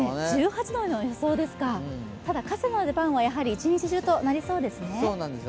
１８度の予想ですか、ただ、傘の出番はやはり一日中となりそうですね。